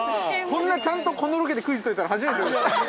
こんなちゃんと、このロケでクイズ解いたの初めてです。